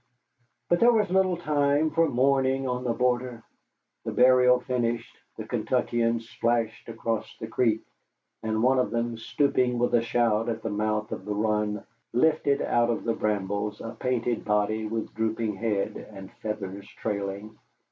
But there was little time for mourning on the border. The burial finished, the Kentuckians splashed across the creek, and one of them, stooping with a shout at the mouth of the run, lifted out of the brambles a painted body with drooping head and feathers trailing.